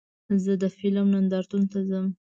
زه د فلم نندارتون ته ځم.